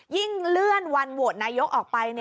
เลื่อนวันโหวตนายกออกไป